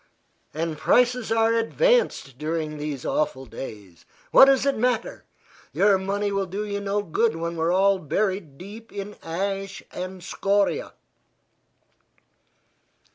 "And prices are advanced during these awful days. What does it matter? Your money will do you no good when we are all buried deep in ash and scoria."